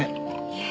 いえ